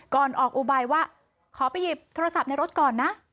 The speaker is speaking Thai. ก่อนออกอุบายว่าขอไปหยิบโทรศัพท์ในรถก่อนนะ